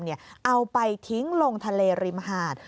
เอาไปทิ้งลงทะเลริมหาด